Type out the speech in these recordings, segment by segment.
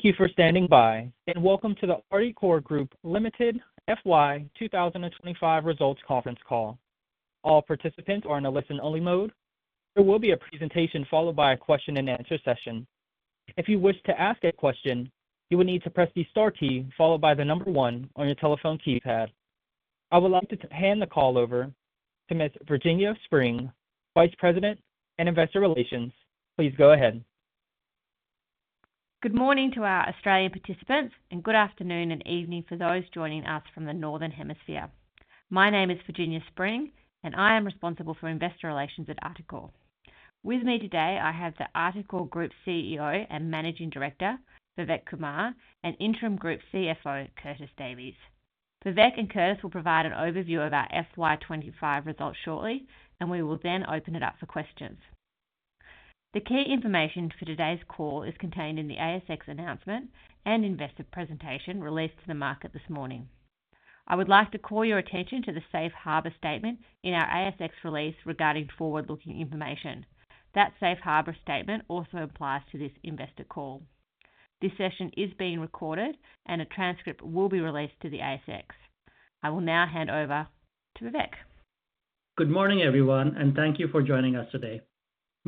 Thank you for standing by and welcome to the Articore Group Limited FY 2025 Results Conference Call. All participants are in a listen-only mode. There will be a presentation followed by a question-and-answer session. If you wish to ask a question, you will need to press the star key followed by the number one on your telephone keypad. I would like to hand the call over to Ms. Virginia Spring, Vice President and Investor Relations. Please go ahead. Good morning to our Australian participants and good afternoon and evening for those joining us from the Northern Hemisphere. My name is Virginia Spring and I am responsible for Investor Relations at Articore. With me today, I have the Articore Group CEO and Managing Director, Vivek Kumar, and Interim Group CFO, Curtis Davies. Vivek and Curtis will provide an overview of our FY 2025 results shortly, and we will then open it up for questions. The key information for today's call is contained in the ASX announcement and investor presentation released to the market this morning. I would like to call your attention to the Safe Harbor statement in our ASX release regarding forward-looking information. That Safe Harbor statement also applies to this investor call. This session is being recorded and a transcript will be released to the ASX. I will now hand over to Vivek. Good morning everyone, and thank you for joining us today.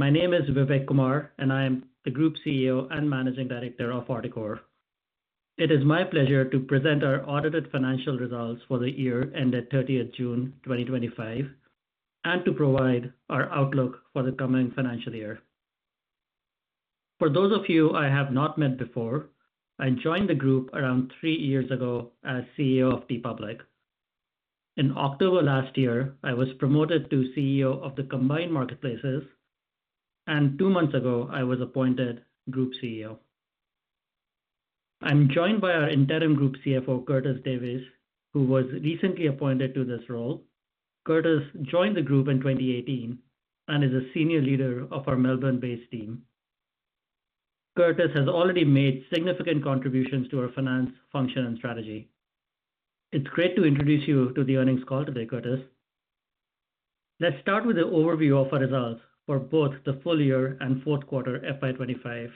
My name is Vivek Kumar, and I am the Group CEO and Managing Director of Articore. It is my pleasure to present our audited financial results for the year ended June 30, 2025, and to provide our outlook for the coming financial year. For those of you I have not met before, I joined the group around three years ago as CEO of TeePublic. In October last year, I was promoted to CEO of the Combined Marketplaces, and two months ago I was appointed Group CEO. I'm joined by our Interim Group CFO, Curtis Davies, who was recently appointed to this role. Curtis joined the group in 2018 and is a senior leader of our Melbourne-based team. Curtis has already made significant contributions to our finance function and strategy. It's great to introduce you to the earnings call today, Curtis. Let's start with an overview of our results for both the full year and fourth quarter FY 2025.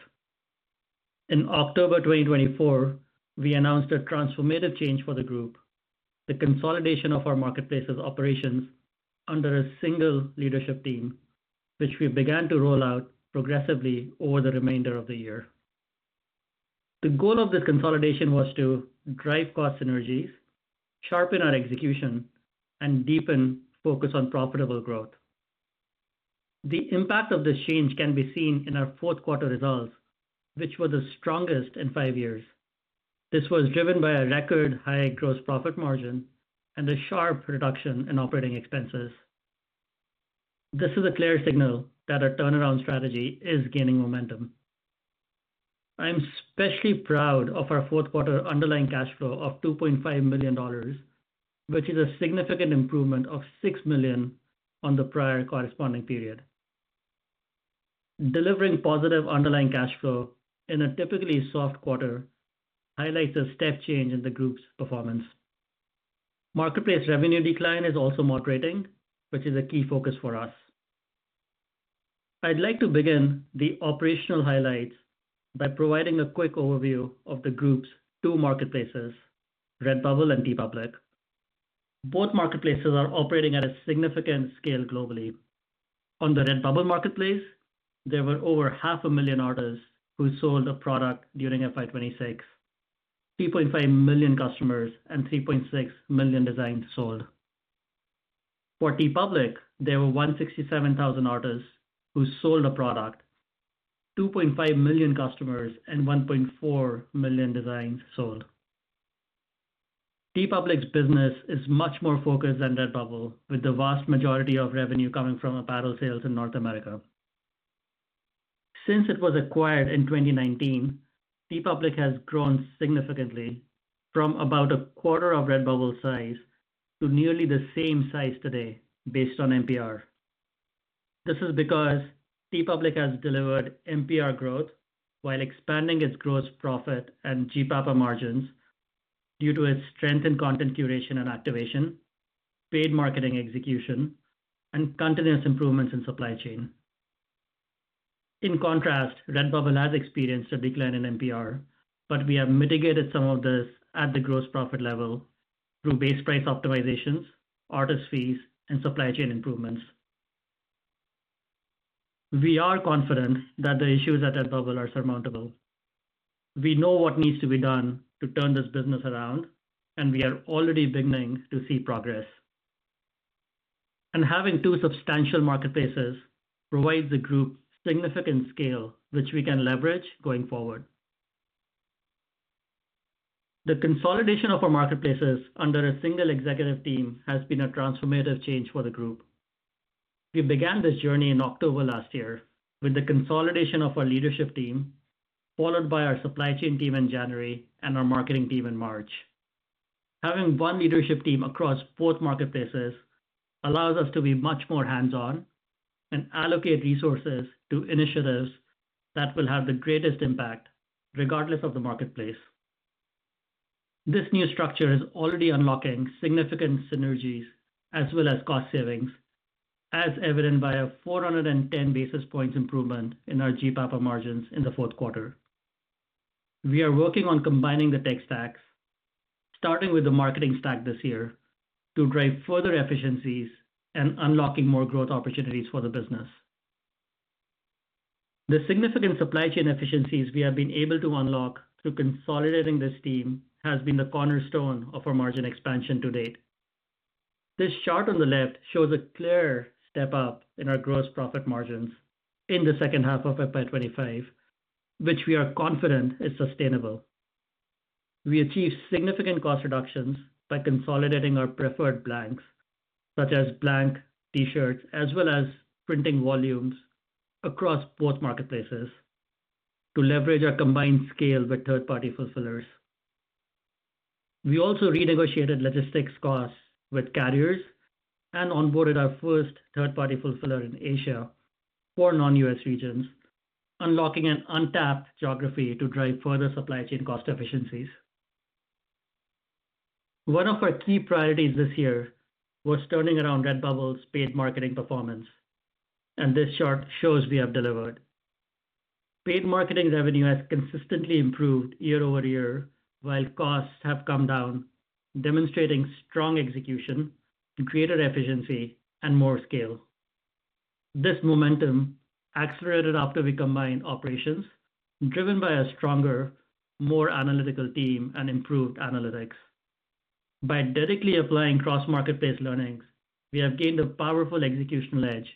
In October 2024, we announced a transformative change for the group: the consolidation of our marketplaces operations under a single leadership team, which we began to roll out progressively over the remainder of the year. The goal of this consolidation was to drive cost synergies, sharpen our execution, and deepen focus on profitable growth. The impact of this change can be seen in our fourth quarter results, which were the strongest in five years. This was driven by a record high gross profit margin and a sharp reduction in operating expenses. This is a clear signal that our turnaround strategy is gaining momentum. I am especially proud of our fourth quarter underlying cash flow of 2.5 million dollars, which is a significant improvement of 6 million on the prior corresponding period. Delivering positive underlying cash flow in a typically soft quarter highlights a step change in the group's performance. Marketplace revenue decline is also moderating, which is a key focus for us. I'd like to begin the operational highlights by providing a quick overview of the group's two marketplaces, Redbubble and TeePublic. Both marketplaces are operating at a significant scale globally. On the Redbubble marketplace, there were over half a million artists who sold a product during FY 2026, 2.5 million customers, and 3.6 million designs sold. For TeePublic, there were 167,000 artists who sold a product, 2.5 million customers, and 1.4 million designs sold. TeePublic's business is much more focused than Redbubble, with the vast majority of revenue coming from apparel sales in North America. Since it was acquired in 2019, TeePublic has grown significantly from about a quarter of Redbubble's size to nearly the same size today, based on NPR. This is because TeePublic has delivered NPR growth while expanding its gross profit and GPAPA margins due to its strength in content curation and activation, paid marketing execution, and continuous improvements in supply chain. In contrast, Redbubble has experienced a decline in NPR, but we have mitigated some of this at the gross profit level through base price optimizations, artist fees, and supply chain improvements. We are confident that the issues at Redbubble are surmountable. We know what needs to be done to turn this business around, and we are already beginning to see progress. Having two substantial marketplaces provides the group significant scale, which we can leverage going forward. The consolidation of our marketplaces under a single executive team has been a transformative change for the group. We began this journey in October last year with the consolidation of our leadership team, followed by our supply chain team in January and our marketing team in March. Having one leadership team across both marketplaces allows us to be much more hands-on and allocate resources to initiatives that will have the greatest impact, regardless of the marketplace. This new structure is already unlocking significant synergies, as well as cost savings, as evident by a 410 basis points improvement in our GPAPA margins in the fourth quarter. We are working on combining the tech stacks, starting with the marketing stack this year, to drive further efficiencies and unlock more growth opportunities for the business. The significant supply chain efficiencies we have been able to unlock through consolidating this team have been the cornerstone of our margin expansion to date. This chart on the left shows a clear step up in our gross profit margins in the second half of FY 2025, which we are confident is sustainable. We achieved significant cost reductions by consolidating our preferred blanks, such as blank T-shirts, as well as printing volumes across both marketplaces, to leverage our combined scale with third-party fulfillers. We also renegotiated logistics costs with carriers and onboarded our first third-party fulfiller in Asia for non-U.S. regions, unlocking an untapped geography to drive further supply chain cost efficiencies. One of our key priorities this year was turning around Redbubble's paid marketing performance, and this chart shows we have delivered. Paid marketing revenue has consistently improved year-over-year, while costs have come down, demonstrating strong execution, greater efficiency, and more scale. This momentum accelerated after we combined operations, driven by a stronger, more analytical team and improved analytics. By dedicatedly applying cross-marketplace learnings, we have gained a powerful executional edge,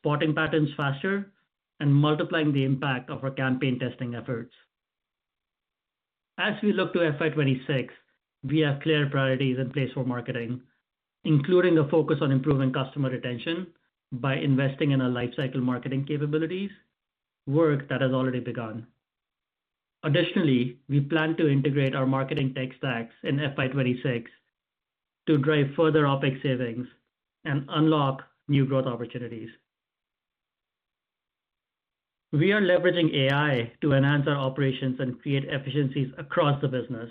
spotting patterns faster and multiplying the impact of our campaign testing efforts. As we look to FY 2026, we have clear priorities in place for marketing, including a focus on improving customer retention by investing in our lifecycle marketing capabilities, work that has already begun. Additionally, we plan to integrate our marketing tech stacks in FY 2026 to drive further OpEx savings and unlock new growth opportunities. We are leveraging AI to enhance our operations and create efficiencies across the business.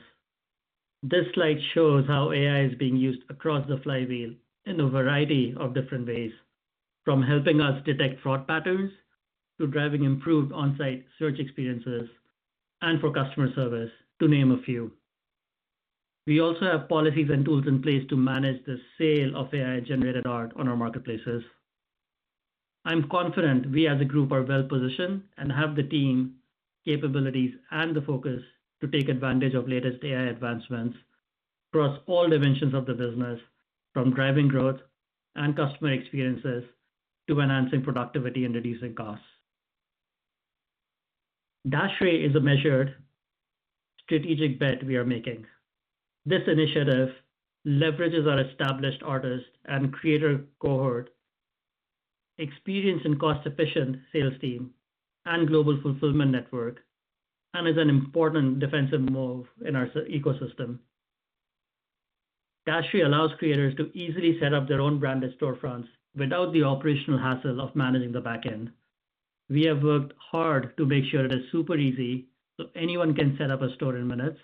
This slide shows how AI is being used across the flywheel in a variety of different ways, from helping us detect fraud patterns to driving improved on-site search experiences and for customer service, to name a few. We also have policies and tools in place to manage the sale of AI-generated art on our marketplaces. I'm confident we as a group are well-positioned and have the team, capabilities, and the focus to take advantage of the latest AI advancements across all dimensions of the business, from driving growth and customer experiences to enhancing productivity and reducing costs. Dashery is a measured strategic bet we are making. This initiative leverages our established artist and creator cohort, experienced and cost-efficient sales team, and global fulfillment network, and is an important defensive move in our ecosystem. Dashery allows creators to easily set up their own branded storefronts without the operational hassle of managing the backend. We have worked hard to make sure it is super easy so anyone can set up a store in minutes,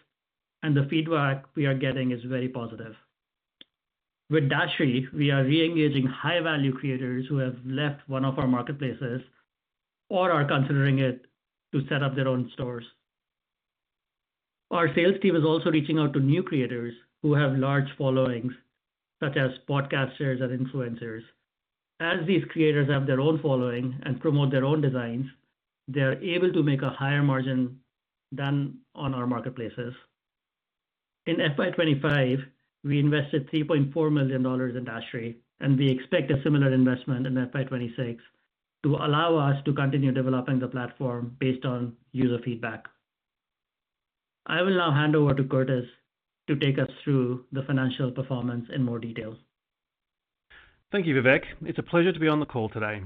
and the feedback we are getting is very positive. With Dashery, we are re-engaging high-value creators who have left one of our marketplaces or are considering it to set up their own stores. Our sales team is also reaching out to new creators who have large followings, such as podcasters and influencers. As these creators have their own following and promote their own designs, they are able to make a higher margin than on our marketplaces. In FY 2025, we invested 3.4 million dollars in Dashery, and we expect a similar investment in FY 2026 to allow us to continue developing the platform based on user feedback. I will now hand over to Curtis to take us through the financial performance in more detail. Thank you, Vivek. It's a pleasure to be on the call today.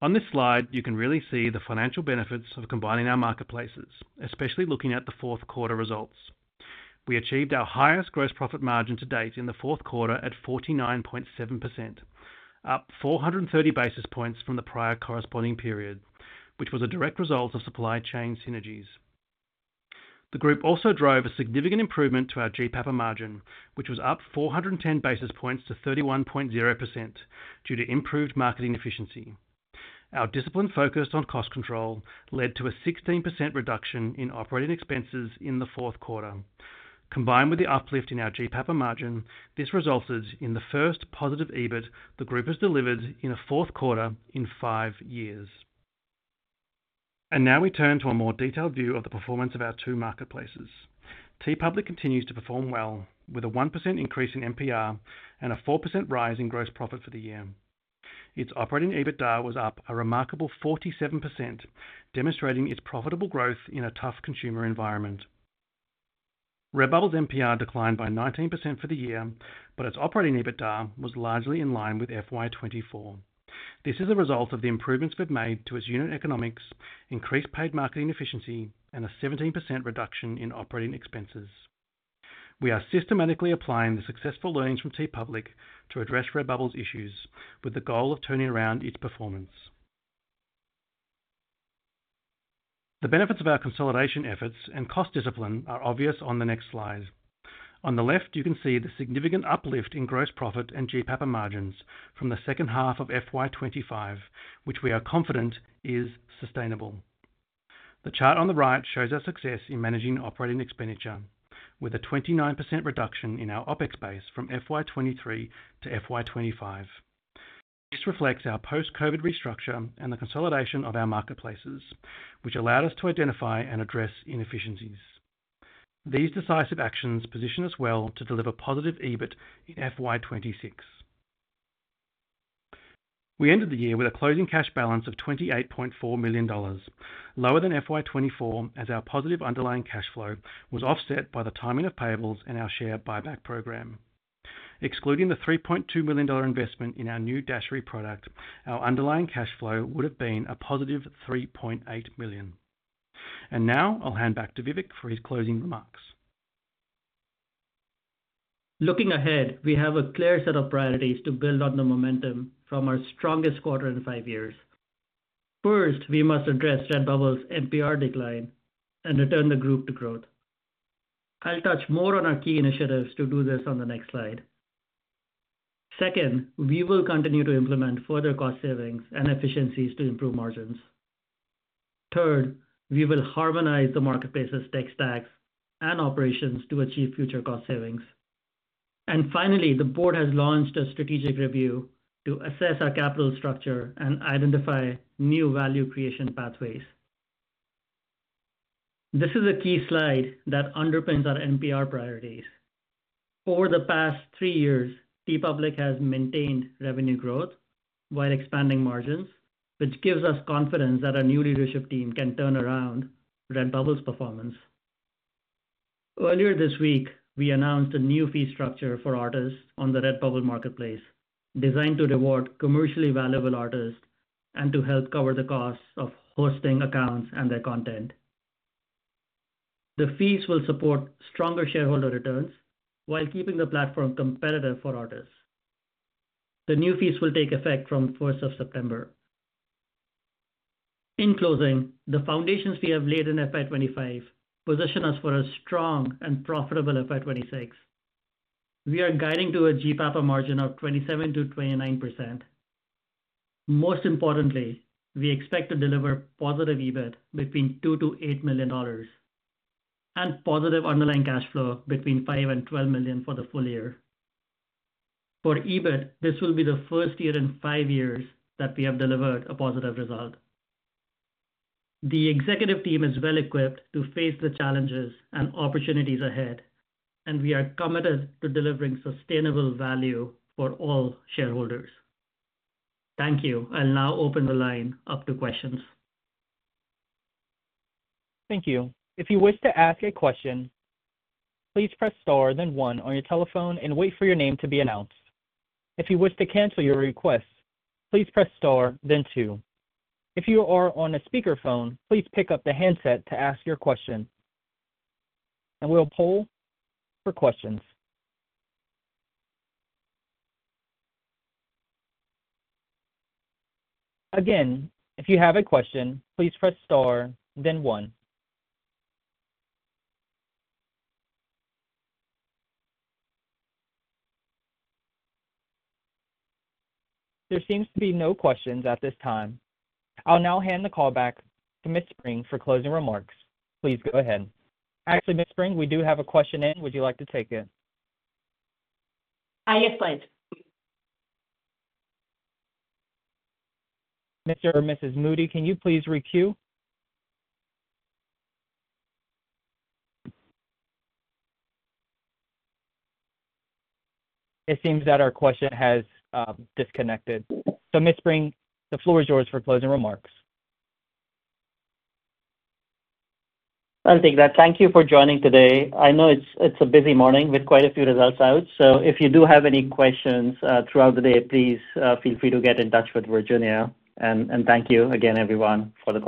On this slide, you can really see the financial benefits of combining our marketplaces, especially looking at the fourth quarter results. We achieved our highest gross profit margin to date in the fourth quarter at 49.7%, up 430 basis points from the prior corresponding period, which was a direct result of supply chain synergies. The group also drove a significant improvement to our GPAPA margin, which was up 410 basis points to 31.0% due to improved marketing efficiency. Our discipline focused on cost control led to a 16% reduction in operating expenses in the fourth quarter. Combined with the uplift in our GPAPA margin, this resulted in the first positive EBIT the group has delivered in a fourth quarter in five years. Now we turn to a more detailed view of the performance of our two marketplaces. TeePublic continues to perform well, with a 1% increase in NPR and a 4% rise in gross profit for the year. Its operating EBITDA was up a remarkable 47%, demonstrating its profitable growth in a tough consumer environment. Redbubble's NPR declined by 19% for the year, but its operating EBITDA was largely in line with FY 2024. This is a result of the improvements we've made to its unit economics, increased paid marketing efficiency, and a 17% reduction in operating expenses. We are systematically applying the successful learnings from TeePublic to address Redbubble's issues, with the goal of turning around its performance. The benefits of our consolidation efforts and cost discipline are obvious on the next slide. On the left, you can see the significant uplift in gross profit and GPAPA margins from the second half of FY 2025, which we are confident is sustainable. The chart on the right shows our success in managing operating expenditure, with a 29% reduction in our operating expenses from FY 2023-FY 2025. This reflects our post-COVID restructure and the consolidation of our marketplaces, which allowed us to identify and address inefficiencies. These decisive actions position us well to deliver positive EBIT in FY 2026. We ended the year with a closing cash balance of 28.4 million dollars, lower than FY 2024, as our positive underlying cash flow was offset by the timing of payables and our share buyback program. Excluding the 3.2 million dollar investment in our new Dashery product, our underlying cash flow would have been a +3.8 million. Now I'll hand back to Vivek for his closing remarks. Looking ahead, we have a clear set of priorities to build on the momentum from our strongest quarter in five years. First, we must address Redbubble's NPR decline and return the group to growth. I'll touch more on our key initiatives to do this on the next slide. Second, we will continue to implement further cost savings and efficiencies to improve margins. Third, we will harmonize the marketplaces tech stacks and operations to achieve future cost savings. Finally, the Board has launched a strategic review to assess our capital structure and identify new value creation pathways. This is a key slide that underpins our NPR priorities. Over the past three years, TeePublic has maintained revenue growth while expanding margins, which gives us confidence that our new leadership team can turn around Redbubble's performance. Earlier this week, we announced a new fee structure for artists on the Redbubble marketplace, designed to reward commercially valuable artists and to help cover the costs of hosting accounts and their content. The fees will support stronger shareholder returns while keeping the platform competitive for artists. The new fees will take effect from September 1. In closing, the foundations we have laid in FY 2025 position us for a strong and profitable FY 2026. We are guiding to a GPAPA margin of 27%-29%. Most importantly, we expect to deliver positive EBIT between 2 million-8 million dollars and positive underlying cash flow between 5 million and 12 million for the full year. For EBIT, this will be the first year in five years that we have delivered a positive result. The executive team is well equipped to face the challenges and opportunities ahead, and we are committed to delivering sustainable value for all shareholders. Thank you. I'll now open the line up to questions. Thank you. If you wish to ask a question, please press star, then one on your telephone and wait for your name to be announced. If you wish to cancel your request, please press star, then two. If you are on a speakerphone, please pick up the handset to ask your question, and we'll poll for questions. Again, if you have a question, please press star, then one. There seem to be no questions at this time. I'll now hand the call back to Ms. Spring for closing remarks. Please go ahead. Actually, Ms. Spring, we do have a question in. Would you like to take it? Yes, please. Mr. or Mrs. Moody, can you please re-queue? It seems that our question has disconnected. Ms. Spring, the floor is yours for closing remarks. Thank you for joining today. I know it's a busy morning with quite a few results out. If you do have any questions throughout the day, please feel free to get in touch with Virginia. Thank you again, everyone, for the.